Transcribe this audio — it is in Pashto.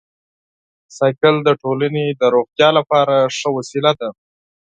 بایسکل د ټولنې د روغتیا لپاره ښه وسیله ده.